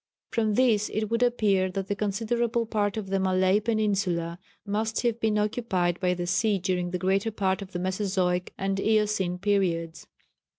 From this it would appear that a considerable part of the Malay peninsula must have been occupied by the sea during the greater part of the Mesozoic and Eocene periods.